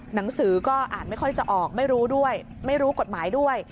หนังสือก็อ่านไม่ค่อยจะออกไม่รู้ด้วยไม่รู้กฎหมายด้วย